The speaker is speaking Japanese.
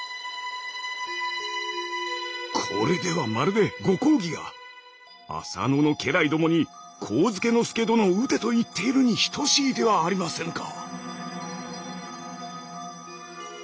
これではまるで御公儀が浅野の家来どもに上野介殿を討てと言っているに等しいではありませぬか！